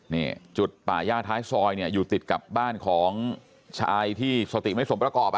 นี่จุดป่าย่าท้ายซอยเนี่ยอยู่ติดกับบ้านของชายที่สติไม่สมประกอบ